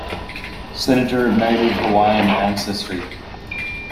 Senator of Native Hawaiian ancestry.